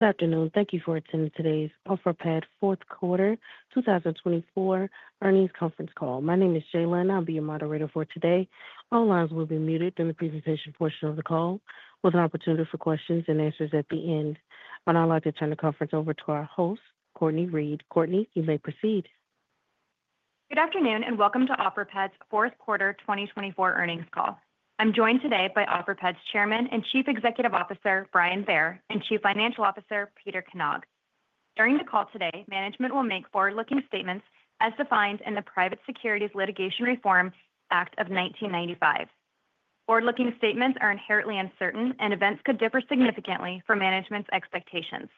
Good afternoon. Thank you for attending today's Offerpad Fourth Quarter 2024 Earnings Conference Call. My name is Jaylenne. I'll be your moderator for today. All lines will be muted during the presentation portion of the call, with an opportunity for questions and answers at the end. I'd now like to turn the conference over to our host, Cortney Read. Cortney, you may proceed. Good afternoon and welcome to Offerpad Fourth Quarter 2024 Earnings Call. I'm joined today by Offerpad's Chairman and Chief Executive Officer, Brian Bair, and Chief Financial Officer, Peter Knag. During the call today, management will make forward-looking statements as defined in the Private Securities Litigation Reform Act of 1995. Forward-looking statements are inherently uncertain, and events could differ significantly from management's expectations.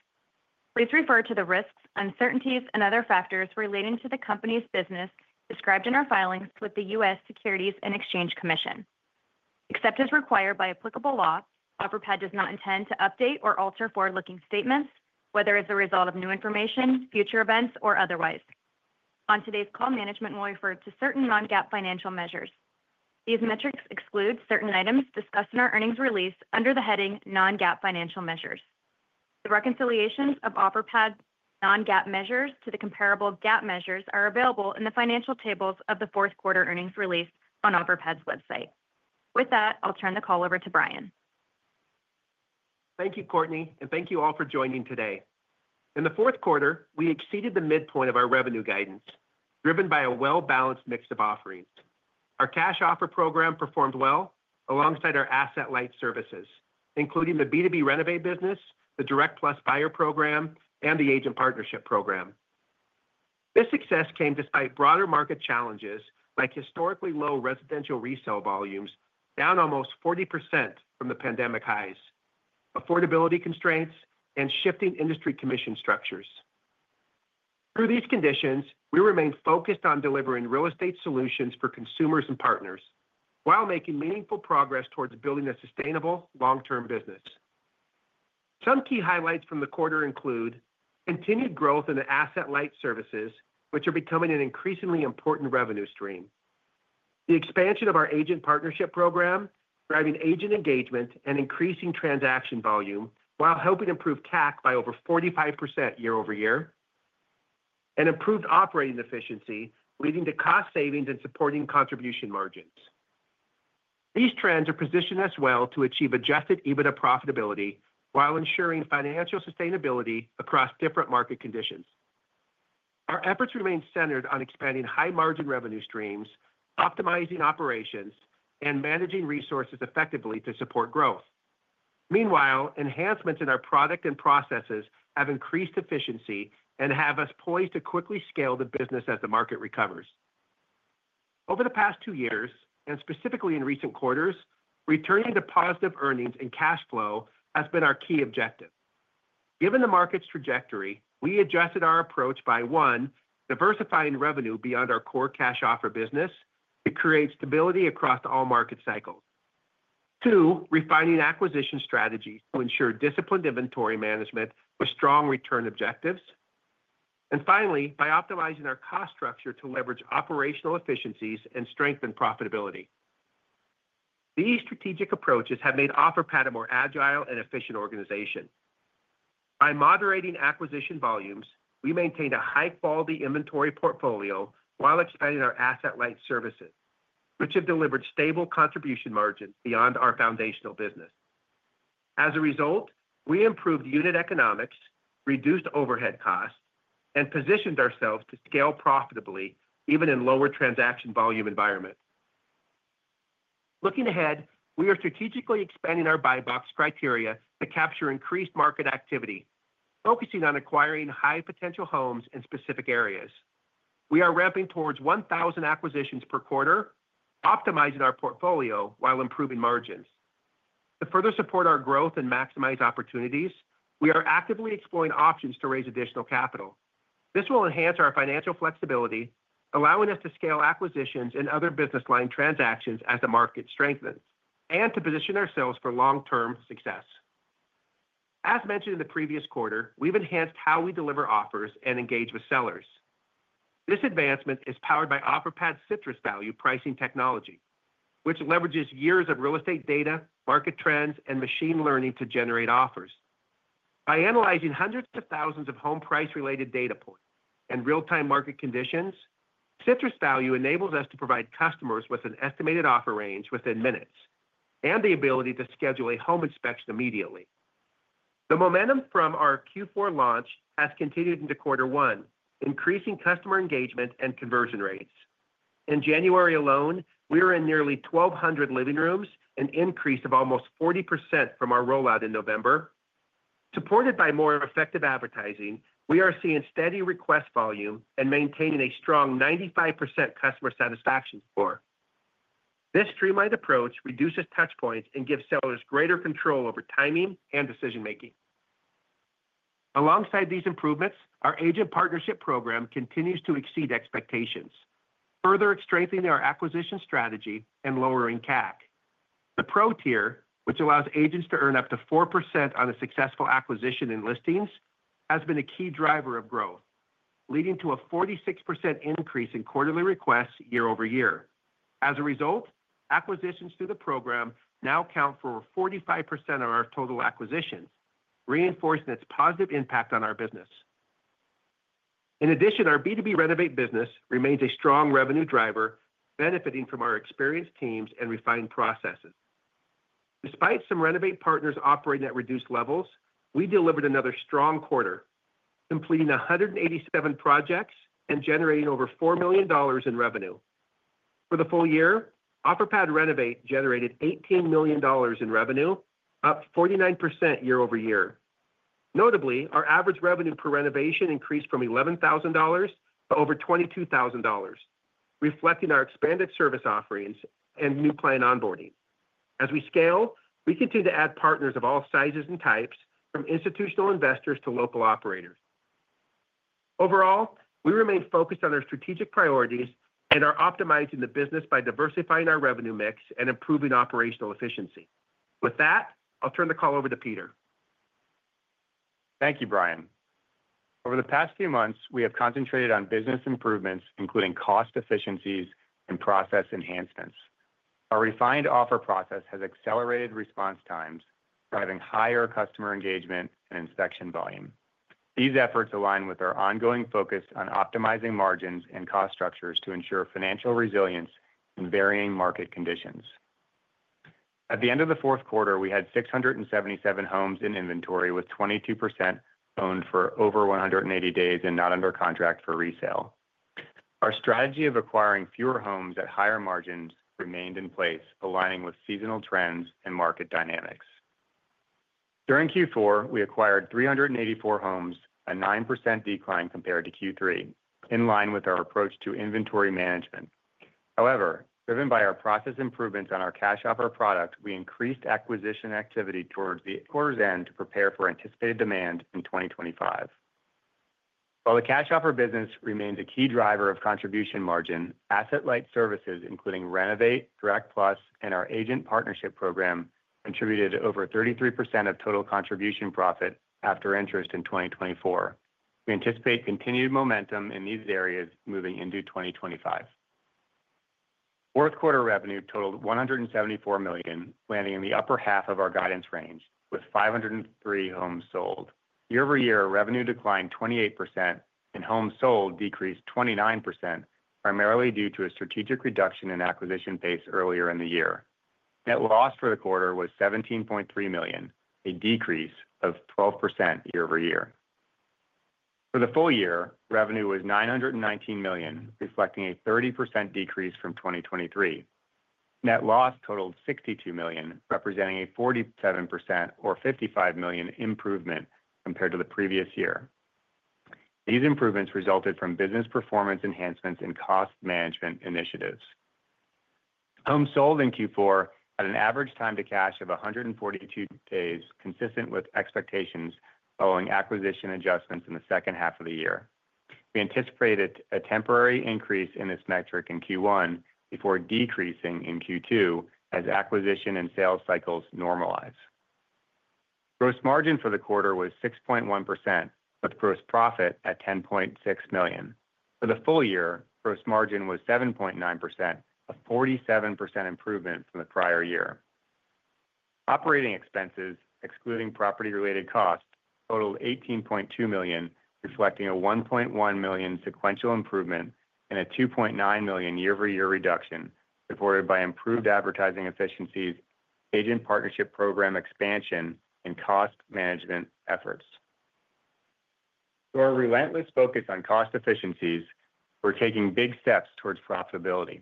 Please refer to the risks, uncertainties, and other factors relating to the company's business described in our filings with the U.S. Securities and Exchange Commission. Except as required by applicable law, Offerpad does not intend to update or alter forward-looking statements, whether as a result of new information, future events, or otherwise. On today's call, management will refer to certain non-GAAP financial measures. These metrics exclude certain items discussed in our earnings release under the heading Non-GAAP Financial Measures. The reconciliations of Offerpad's non-GAAP measures to the comparable GAAP measures are available in the financial tables of the fourth quarter earnings release on Offerpad's website. With that, I'll turn the call over to Brian. Thank you, Cortney, and thank you all for joining today. In the fourth quarter, we exceeded the midpoint of our revenue guidance, driven by a well-balanced mix of offerings. Our cash offer program performed well alongside our asset-light services, including the B2B Renovate business, the Direct+ Buyer Program, and the Agent Partnership Program. This success came despite broader market challenges like historically low residential resale volumes, down almost 40% from the pandemic highs, affordability constraints, and shifting industry commission structures. Through these conditions, we remained focused on delivering real estate solutions for consumers and partners while making meaningful progress towards building a sustainable long-term business. Some key highlights from the quarter include continued growth in the asset-light services, which are becoming an increasingly important revenue stream, the expansion of our Agent Partnership Program, driving agent engagement and increasing transaction volume while helping improve CAC by over 45% year over year, and improved operating efficiency, leading to cost savings and supporting contribution margins. These trends have positioned us well to achieve adjusted EBITDA profitability while ensuring financial sustainability across different market conditions. Our efforts remain centered on expanding high-margin revenue streams, optimizing operations, and managing resources effectively to support growth. Meanwhile, enhancements in our product and processes have increased efficiency and have us poised to quickly scale the business as the market recovers. Over the past two years, and specifically in recent quarters, returning to positive earnings and cash flow has been our key objective. Given the market's trajectory, we adjusted our approach by, one, diversifying revenue beyond our core cash offer business to create stability across all market cycles, two, refining acquisition strategies to ensure disciplined inventory management with strong return objectives, and finally, by optimizing our cost structure to leverage operational efficiencies and strengthen profitability. These strategic approaches have made Offerpad a more agile and efficient organization. By moderating acquisition volumes, we maintained a high-quality inventory portfolio while expanding our asset-light services, which have delivered stable contribution margins beyond our foundational business. As a result, we improved unit economics, reduced overhead costs, and positioned ourselves to scale profitably even in lower transaction volume environments. Looking ahead, we are strategically expanding our buy box criteria to capture increased market activity, focusing on acquiring high-potential homes in specific areas. We are ramping towards 1,000 acquisitions per quarter, optimizing our portfolio while improving margins. To further support our growth and maximize opportunities, we are actively exploring options to raise additional capital. This will enhance our financial flexibility, allowing us to scale acquisitions and other business line transactions as the market strengthens, and to position ourselves for long-term success. As mentioned in the previous quarter, we've enhanced how we deliver offers and engage with sellers. This advancement is powered by Offerpad's Citrus Value pricing technology, which leverages years of real estate data, market trends, and machine learning to generate offers. By analyzing hundreds of thousands of home price-related data points and real-time market conditions, Citrus Value enables us to provide customers with an estimated offer range within minutes and the ability to schedule a home inspection immediately. The momentum from our Q4 launch has continued into quarter one, increasing customer engagement and conversion rates. In January alone, we were in nearly 1,200 living rooms, an increase of almost 40% from our rollout in November. Supported by more effective advertising, we are seeing steady request volume and maintaining a strong 95% customer satisfaction score. This streamlined approach reduces touchpoints and gives sellers greater control over timing and decision-making. Alongside these improvements, our Agent Partnership Program continues to exceed expectations, further strengthening our acquisition strategy and lowering CAC. The PRO Tier, which allows agents to earn up to 4% on a successful acquisition in listings, has been a key driver of growth, leading to a 46% increase in quarterly requests year over year. As a result, acquisitions through the program now count for over 45% of our total acquisitions, reinforcing its positive impact on our business. In addition, our B2B Renovate business remains a strong revenue driver, benefiting from our experienced teams and refined processes. Despite some renovate partners operating at reduced levels, we delivered another strong quarter, completing 187 projects and generating over $4 million in revenue. For the full year, Offerpad generated $18 million in revenue, up 49% year over year. Notably, our average revenue per renovation increased from $11,000 to over $22,000, reflecting our expanded service offerings and new client onboarding. As we scale, we continue to add partners of all sizes and types, from institutional investors to local operators. Overall, we remain focused on our strategic priorities and are optimizing the business by diversifying our revenue mix and improving operational efficiency. With that, I'll turn the call over to Peter. Thank you, Brian. Over the past few months, we have concentrated on business improvements, including cost efficiencies and process enhancements. Our refined offer process has accelerated response times, driving higher customer engagement and inspection volume. These efforts align with our ongoing focus on optimizing margins and cost structures to ensure financial resilience in varying market conditions. At the end of the fourth quarter, we had 677 homes in inventory, with 22% owned for over 180 days and not under contract for resale. Our strategy of acquiring fewer homes at higher margins remained in place, aligning with seasonal trends and market dynamics. During Q4, we acquired 384 homes, a 9% decline compared to Q3, in line with our approach to inventory management. However, driven by our process improvements on our cash offer product, we increased acquisition activity towards the quarter's end to prepare for anticipated demand in 2025. While the cash offer business remains a key driver of contribution margin, asset-light services, including Renovate, Direct+, and our Agent Partnership Program, contributed over 33% of total contribution profit after interest in 2024. We anticipate continued momentum in these areas moving into 2025. Fourth quarter revenue totaled $174 million, landing in the upper half of our guidance range, with 503 homes sold. Year over year, revenue declined 28%, and homes sold decreased 29%, primarily due to a strategic reduction in acquisition base earlier in the year. Net loss for the quarter was $17.3 million, a decrease of 12% year over year. For the full year, revenue was $919 million, reflecting a 30% decrease from 2023. Net loss totaled $62 million, representing a 47% or $55 million improvement compared to the previous year. These improvements resulted from business performance enhancements and cost management initiatives. Homes sold in Q4 had an average time to cash of 142 days, consistent with expectations following acquisition adjustments in the second half of the year. We anticipated a temporary increase in this metric in Q1 before decreasing in Q2 as acquisition and sales cycles normalized. Gross margin for the quarter was 6.1%, with gross profit at $10.6 million. For the full year, gross margin was 7.9%, a 47% improvement from the prior year. Operating expenses, excluding property-related costs, totaled $18.2 million, reflecting a $1.1 million sequential improvement and a $2.9 million year-over-year reduction supported by improved advertising efficiencies, Agent Partnership Program expansion, and cost management efforts. Through our relentless focus on cost efficiencies, we're taking big steps towards profitability.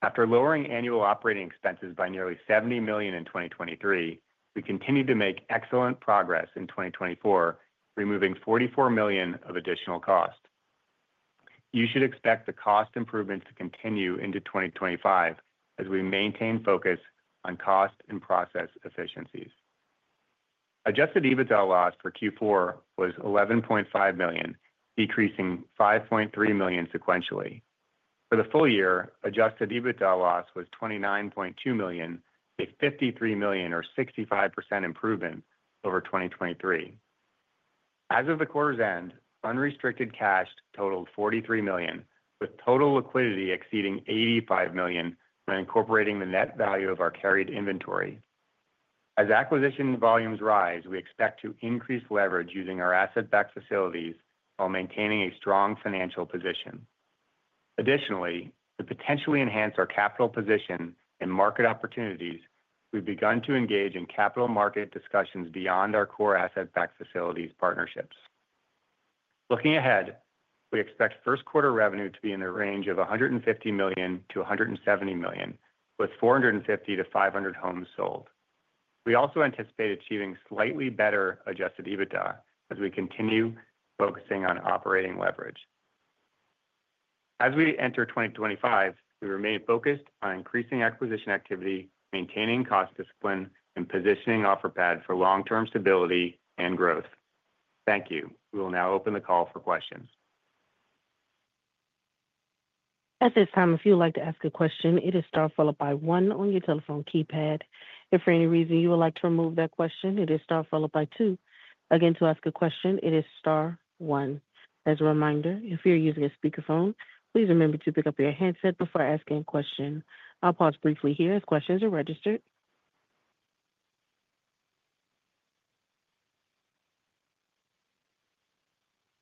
After lowering annual operating expenses by nearly $70 million in 2023, we continue to make excellent progress in 2024, removing $44 million of additional cost. You should expect the cost improvements to continue into 2025 as we maintain focus on cost and process efficiencies. Adjusted EBITDA loss for Q4 was $11.5 million, decreasing $5.3 million sequentially. For the full year, adjusted EBITDA loss was $29.2 million, a $53 million, or 65% improvement, over 2023. As of the quarter's end, unrestricted cash totaled $43 million, with total liquidity exceeding $85 million when incorporating the net value of our carried inventory. As acquisition volumes rise, we expect to increase leverage using our asset-backed facilities while maintaining a strong financial position. Additionally, to potentially enhance our capital position and market opportunities, we've begun to engage in capital market discussions beyond our core asset-backed facilities partnerships. Looking ahead, we expect first quarter revenue to be in the range of $150 million-$170 million, with 450-500 homes sold. We also anticipate achieving slightly better adjusted EBITDA as we continue focusing on operating leverage. As we enter 2025, we remain focused on increasing acquisition activity, maintaining cost discipline, and positioning Offerpad for long-term stability and growth. Thank you. We will now open the call for questions. At this time, if you'd like to ask a question, it is star followed by one on your telephone keypad. If for any reason you would like to remove that question, it is star followed by two. Again, to ask a question, it is star followed by one. As a reminder, if you're using a speakerphone, please remember to pick up your headset before asking a question. I'll pause briefly here as questions are registered.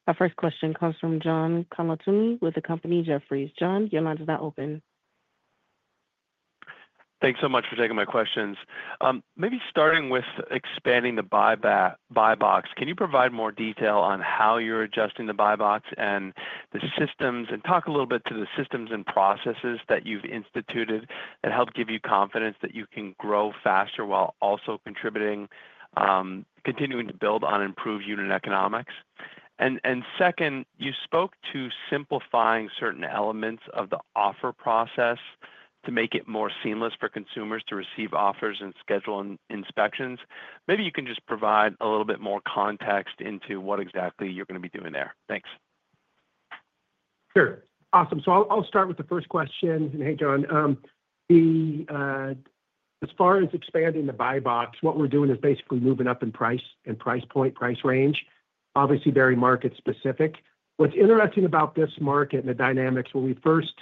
Our first question comes from John Colantuoni with the company Jefferies. John, your line is now open. Thanks so much for taking my questions. Maybe starting with expanding the buy box, can you provide more detail on how you're adjusting the buy box and the systems, and talk a little bit to the systems and processes that you've instituted that help give you confidence that you can grow faster while also continuing to build on improved unit economics? Second, you spoke to simplifying certain elements of the offer process to make it more seamless for consumers to receive offers and schedule inspections. Maybe you can just provide a little bit more context into what exactly you're going to be doing there. Thanks. Sure. Awesome. I'll start with the first question. Hey, John. As far as expanding the buy box, what we're doing is basically moving up in price and price point, price range. Obviously, very market-specific. What's interesting about this market and the dynamics, when we first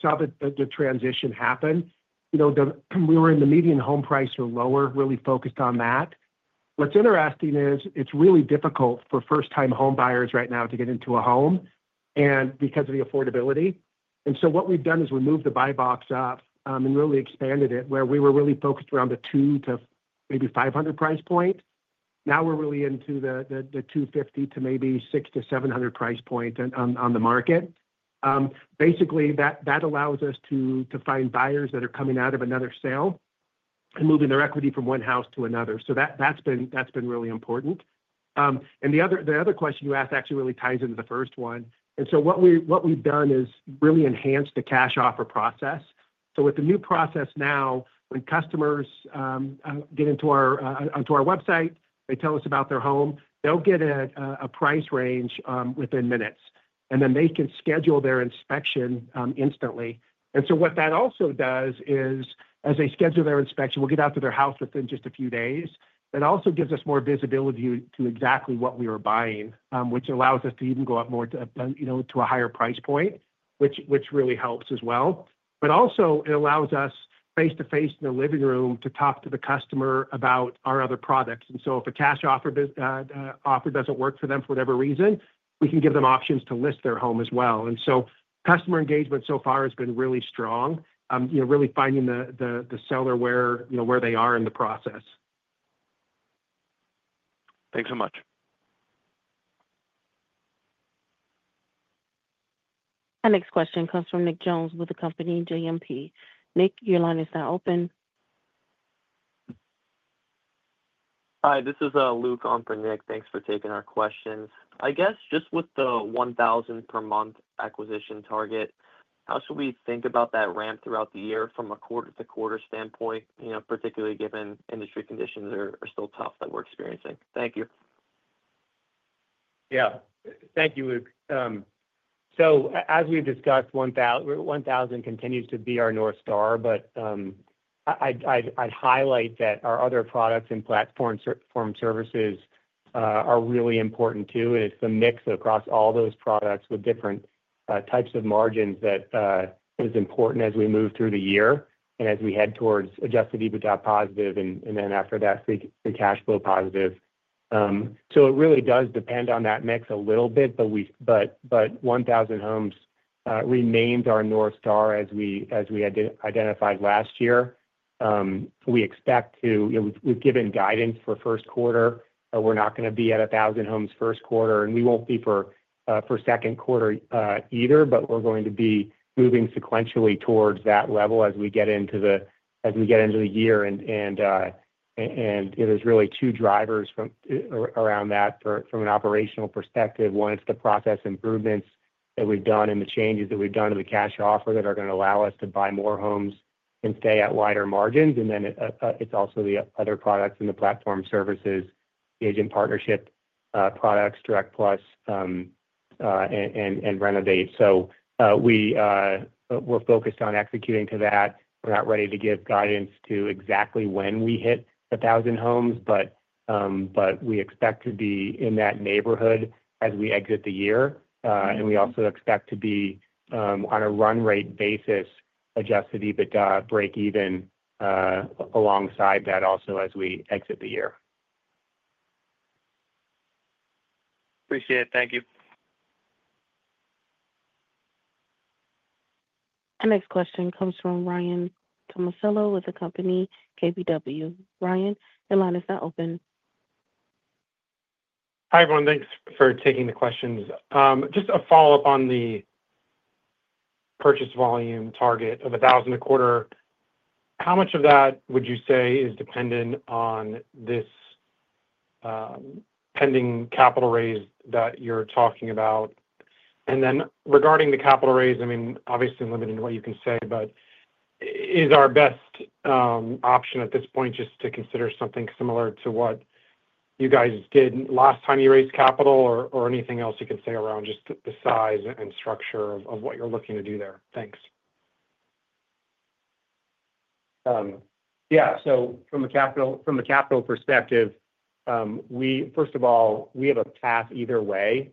saw the transition happen, we were in the median home price or lower, really focused on that. What's interesting is it's really difficult for first-time home buyers right now to get into a home because of the affordability. What we've done is we moved the buy box up and really expanded it, where we were really focused around the $200,000 to maybe $500,000 price point. Now we're really into the $250,000 to maybe $600,000-$700,000 price point on the market. Basically, that allows us to find buyers that are coming out of another sale and moving their equity from one house to another. That has been really important. The other question you asked actually really ties into the first one. What we have done is really enhanced the cash offer process. With the new process now, when customers get into our website, they tell us about their home, they will get a price range within minutes, and then they can schedule their inspection instantly. What that also does is, as they schedule their inspection, we will get out to their house within just a few days. That also gives us more visibility to exactly what we are buying, which allows us to even go up to a higher price point, which really helps as well. It also allows us face-to-face in the living room to talk to the customer about our other products. If a cash offer does not work for them for whatever reason, we can give them options to list their home as well. Customer engagement so far has been really strong, really finding the seller where they are in the process. Thanks so much. Our next question comes from Nick Jones with the company JMP. Nick, your line is now open. Hi, this is Luke on for Nick. Thanks for taking our questions. I guess just with the $1,000 per month acquisition target, how should we think about that ramp throughout the year from a quarter-to-quarter standpoint, particularly given industry conditions are still tough that we're experiencing? Thank you. Yeah. Thank you, Luke. As we've discussed, $1,000 continues to be our North Star, but I'd highlight that our other products and platform services are really important too. It's a mix across all those products with different types of margins that is important as we move through the year and as we head towards adjusted EBITDA positive and then after that, the cash flow positive. It really does depend on that mix a little bit, but $1,000 homes remains our North Star as we identified last year. We expect to, we've given guidance for first quarter, but we're not going to be at $1,000 homes first quarter, and we won't be for second quarter either, but we're going to be moving sequentially towards that level as we get into the year and there's really two drivers around that from an operational perspective. One is the process improvements that we've done and the changes that we've done to the cash offer that are going to allow us to buy more homes and stay at wider margins. It is also the other products and the platform services, agent partnership products, Direct+, and Renovate. We are focused on executing to that. We are not ready to give guidance to exactly when we hit 1,000 homes, but we expect to be in that neighborhood as we exit the year. We also expect to be on a run rate basis, adjusted EBITDA break-even alongside that also as we exit the year. Appreciate it. Thank you. Our next question comes from Ryan Tomasello with the company KBW. Ryan, your line is now open. Hi, everyone. Thanks for taking the questions. Just a follow-up on the purchase volume target of $1,000 a quarter. How much of that would you say is dependent on this pending capital raise that you're talking about? I mean, obviously limited to what you can say, but is our best option at this point just to consider something similar to what you guys did last time you raised capital or anything else you can say around just the size and structure of what you're looking to do there? Thanks. Yeah. From a capital perspective, first of all, we have a path either way.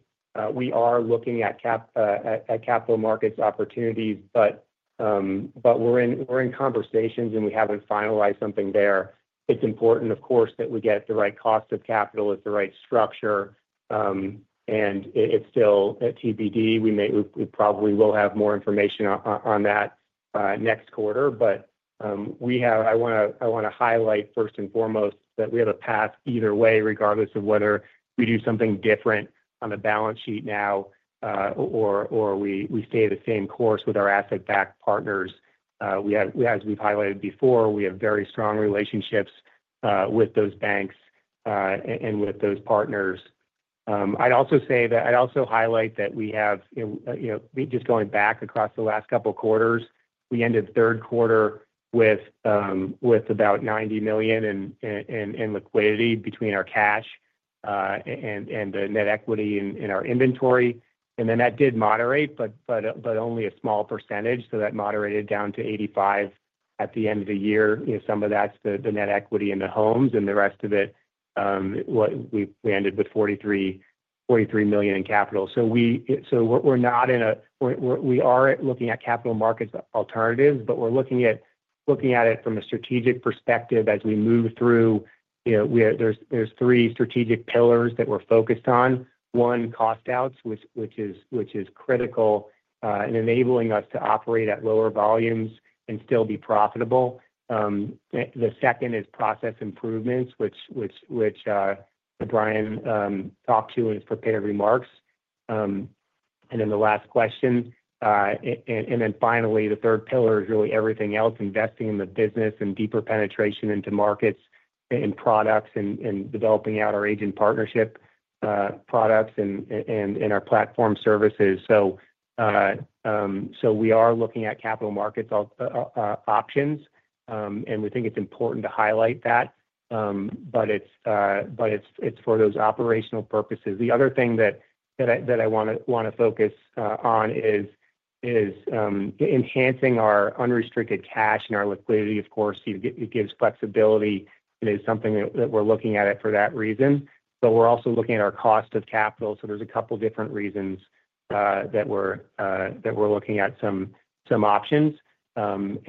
We are looking at capital markets opportunities, but we're in conversations and we haven't finalized something there. It's important, of course, that we get the right cost of capital, the right structure. It's still at TBD. We probably will have more information on that next quarter. I want to highlight first and foremost that we have a path either way, regardless of whether we do something different on the balance sheet now or we stay the same course with our asset-backed partners. As we've highlighted before, we have very strong relationships with those banks and with those partners. I'd also say that I'd also highlight that we have, just going back across the last couple of quarters, we ended third quarter with about $90 million in liquidity between our cash and the net equity in our inventory. That did moderate, but only a small percentage. That moderated down to $85 million at the end of the year. Some of that's the net equity in the homes. The rest of it, we ended with $43 million in capital. We are looking at capital markets alternatives, but we're looking at it from a strategic perspective as we move through. There are three strategic pillars that we're focused on. One, cost outs, which is critical in enabling us to operate at lower volumes and still be profitable. The second is process improvements, which Brian talked to in his prepared remarks. The last question. Finally, the third pillar is really everything else, investing in the business and deeper penetration into markets and products and developing out our agent partnership products and our platform services. We are looking at capital markets options, and we think it's important to highlight that, but it's for those operational purposes. The other thing that I want to focus on is enhancing our unrestricted cash and our liquidity, of course. It gives flexibility. It is something that we're looking at for that reason. We're also looking at our cost of capital. There are a couple of different reasons that we're looking at some options. We want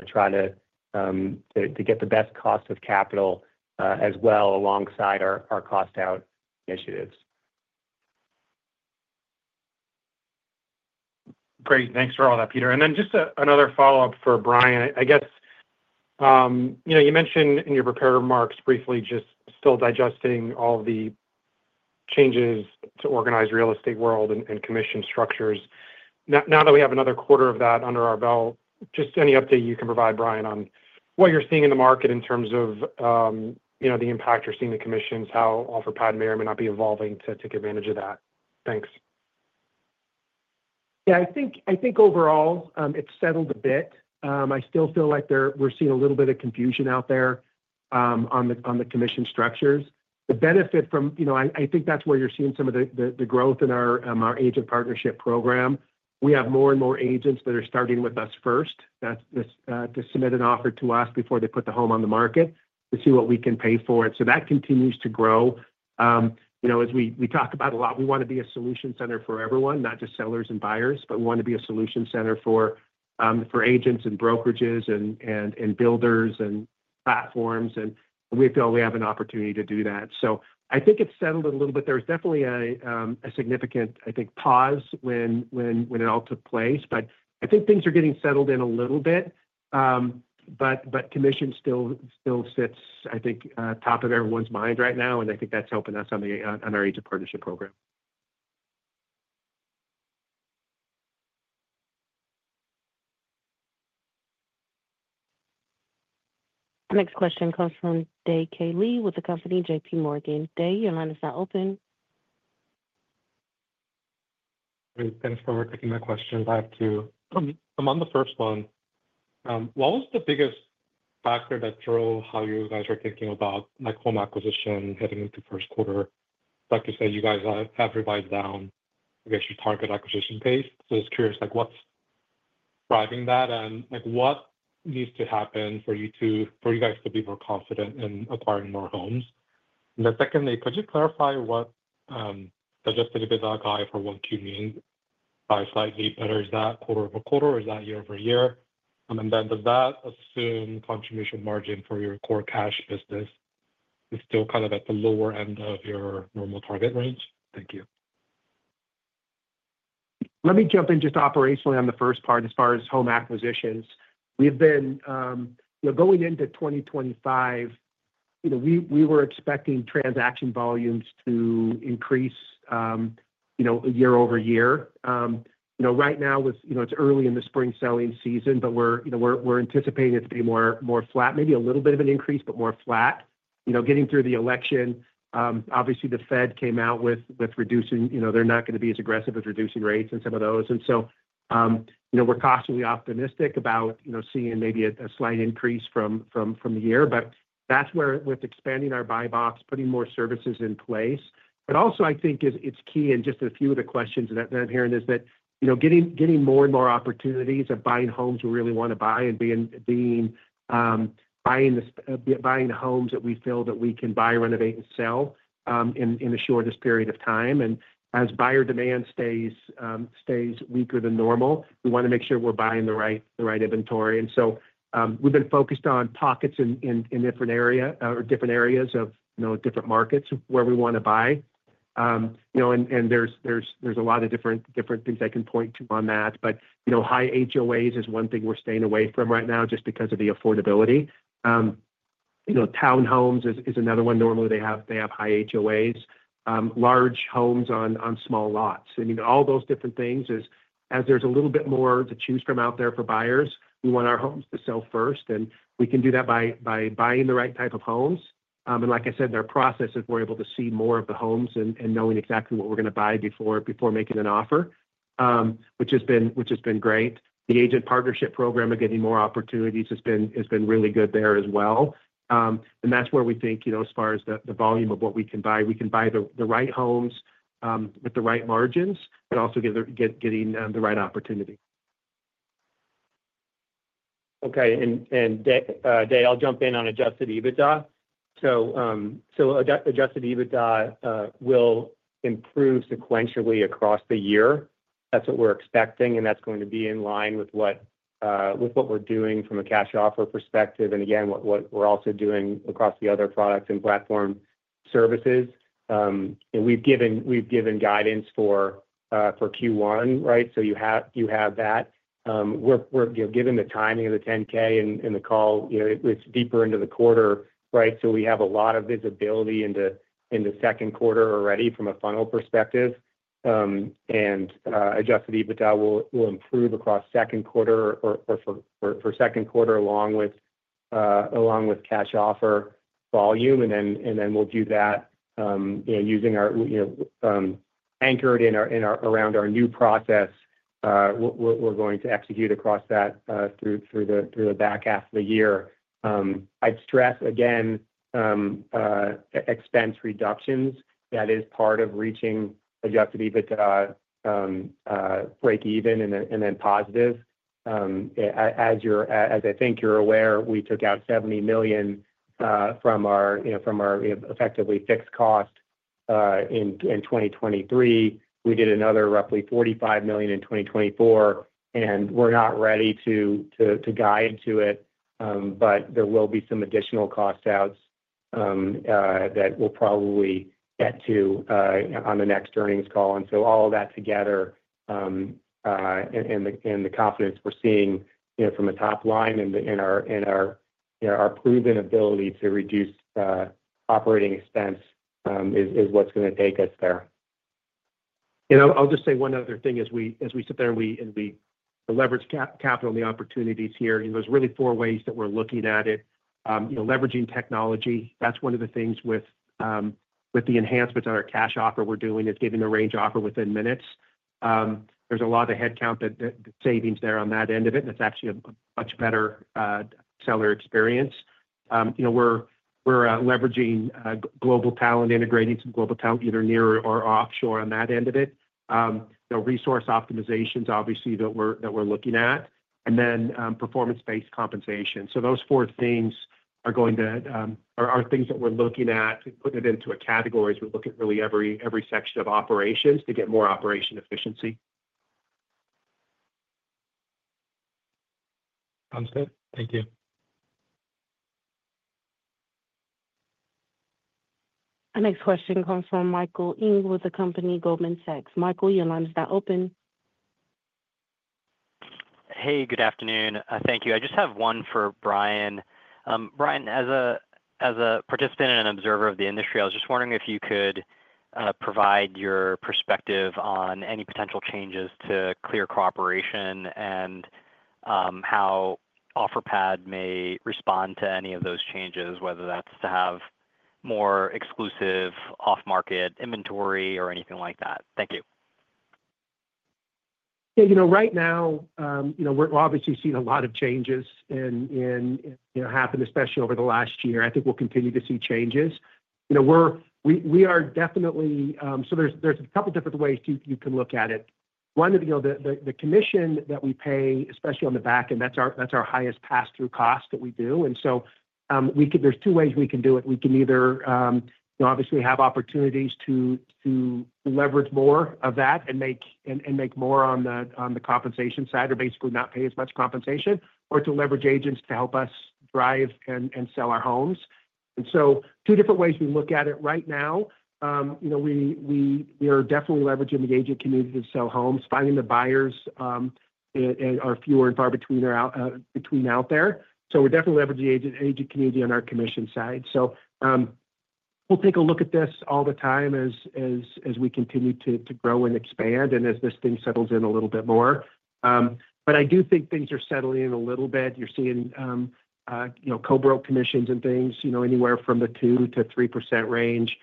to try to get the best cost of capital as well alongside our cost out initiatives. Great. Thanks for all that, Peter. Just another follow-up for Brian. I guess you mentioned in your prepared remarks briefly just still digesting all the changes to organize real estate world and commission structures. Now that we have another quarter of that under our belt, just any update you can provide, Brian, on what you're seeing in the market in terms of the impact you're seeing in commissions, how Offerpad may or may not be evolving to take advantage of that. Thanks. Yeah. I think overall it's settled a bit. I still feel like we're seeing a little bit of confusion out there on the commission structures. The benefit from, I think that's where you're seeing some of the growth in our Agent Partnership Program. We have more and more agents that are starting with us first to submit an offer to us before they put the home on the market to see what we can pay for it. That continues to grow. As we talk about a lot, we want to be a solution center for everyone, not just sellers and buyers, but we want to be a solution center for agents and brokerages and builders and platforms. We feel we have an opportunity to do that. I think it's settled a little bit. There was definitely a significant, I think, pause when it all took place. I think things are getting settled in a little bit. Commission still sits, I think, top of everyone's mind right now, and I think that's helping us on our Agent Partnership Program. Our next question comes from Dae K. Lee with the company JPMorgan. Dae, your line is now open. Thanks for repeating my question. I have two. I'm on the first one. What was the biggest factor that drove how you guys are thinking about home acquisition heading into first quarter? Like you said, you guys have revised down, I guess, your target acquisition pace. I was curious, what's driving that and what needs to happen for you guys to be more confident in acquiring more homes? Secondly, could you clarify what adjusted EBITDA high for 1Q means by slightly? Better, is that quarter over quarter or is that year over year? Does that assume contribution margin for your core cash business is still kind of at the lower end of your normal target range? Thank you. Let me jump in just operationally on the first part as far as home acquisitions. We've been going into 2025. We were expecting transaction volumes to increase year over year. Right now, it's early in the spring selling season, but we're anticipating it to be more flat, maybe a little bit of an increase, but more flat. Getting through the election, obviously, the Fed came out with reducing, they're not going to be as aggressive as reducing rates and some of those. We are cautiously optimistic about seeing maybe a slight increase from the year, but that's where with expanding our buy box, putting more services in place. I think it's key in just a few of the questions that I'm hearing is that getting more and more opportunities of buying homes we really want to buy and buying the homes that we feel that we can buy, renovate, and sell in the shortest period of time. As buyer demand stays weaker than normal, we want to make sure we're buying the right inventory. We've been focused on pockets in different areas of different markets where we want to buy. There's a lot of different things I can point to on that. High HOAs is one thing we're staying away from right now just because of the affordability. Town homes is another one. Normally, they have high HOAs, large homes on small lots. I mean, all those different things is, as there's a little bit more to choose from out there for buyers, we want our homes to sell first. We can do that by buying the right type of homes. Like I said, their process is we're able to see more of the homes and knowing exactly what we're going to buy before making an offer, which has been great. The Agent Partnership Program of getting more opportunities has been really good there as well. That's where we think, as far as the volume of what we can buy, we can buy the right homes with the right margins, but also getting the right opportunity. Okay. Day, I'll jump in on adjusted EBITDA. Adjusted EBITDA will improve sequentially across the year. That's what we're expecting, and that's going to be in line with what we're doing from a cash offer perspective. Again, what we're also doing across the other products and platform services. We've given guidance for Q1, right? You have that. We've given the timing of the 10-K in the call. It's deeper into the quarter, right? We have a lot of visibility into second quarter already from a funnel perspective. Adjusted EBITDA will improve across second quarter or for second quarter along with cash offer volume. We'll do that using our anchored in around our new process. We're going to execute across that through the back half of the year. I'd stress, again, expense reductions. That is part of reaching adjusted EBITDA break-even and then positive. As I think you're aware, we took out $70 million from our effectively fixed cost in 2023. We did another roughly $45 million in 2024, and we're not ready to guide to it, but there will be some additional cost outs that we'll probably get to on the next earnings call. All of that together and the confidence we're seeing from a top line and our proven ability to reduce operating expense is what's going to take us there. I'll just say one other thing as we sit there and we leverage capital and the opportunities here. There's really four ways that we're looking at it. Leveraging technology, that's one of the things with the enhancements on our cash offer we're doing is getting the range offer within minutes. There's a lot of headcount savings there on that end of it, and it's actually a much better seller experience. We're leveraging global talent, integrating some global talent either near or offshore on that end of it. Resource optimizations, obviously, that we're looking at. Then performance-based compensation. Those four things are things that we're looking at, putting it into a category as we look at really every section of operations to get more operation efficiency. Sounds good. Thank you. Our next question comes from Michael Ewing with the company Goldman Sachs. Michael, your line is now open. Hey, good afternoon. Thank you. I just have one for Brian. Brian, as a participant and an observer of the industry, I was just wondering if you could provide your perspective on any potential changes to Clear Cooperation and how Offerpad may respond to any of those changes, whether that's to have more exclusive off-market inventory or anything like that. Thank you. Yeah. Right now, we're obviously seeing a lot of changes happen, especially over the last year. I think we'll continue to see changes. We are definitely, so there's a couple of different ways you can look at it. One, the commission that we pay, especially on the back end, that's our highest pass-through cost that we do. There's two ways we can do it. We can either obviously have opportunities to leverage more of that and make more on the compensation side or basically not pay as much compensation, or to leverage agents to help us drive and sell our homes. Two different ways we look at it right now. We are definitely leveraging the agent community to sell homes, finding the buyers are fewer and far between out there. We're definitely leveraging the agent community on our commission side. We'll take a look at this all the time as we continue to grow and expand and as this thing settles in a little bit more. I do think things are settling in a little bit. You're seeing co-broker commissions and things anywhere from the 2%-3% range,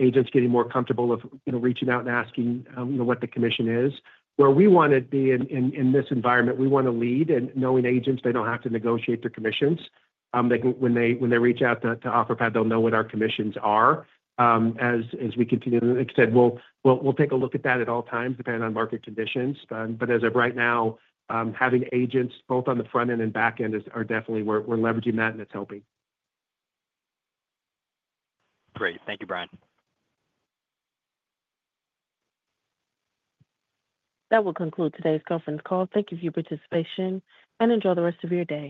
agents getting more comfortable reaching out and asking what the commission is. Where we want to be in this environment, we want to lead and knowing agents, they don't have to negotiate their commissions. When they reach out to Offerpad, they'll know what our commissions are as we continue. Like I said, we'll take a look at that at all times depending on market conditions. As of right now, having agents both on the front end and back end, we're definitely leveraging that and it's helping. Great. Thank you, Brian. That will conclude today's conference call. Thank you for your participation and enjoy the rest of your day.